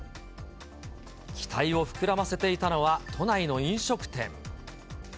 期待を膨らませていたのは都内の飲食店。